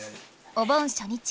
お盆初日。